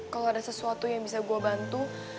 kalau ada sesuatu yang bisa gue bantu